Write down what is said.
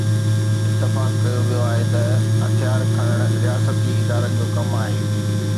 اتفاق ڪيو ويو آهي ته هٿيار کڻڻ رياستي ادارن جو ڪم آهي.